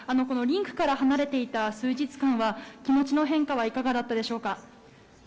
リンクから離れていた数日間は気持ちの変化はいかがだったでしょうか。